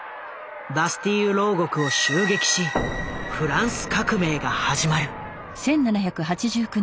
バスティーユ牢獄を襲撃しフランス革命が始まる。